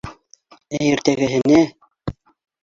Ә иртәгәһенә.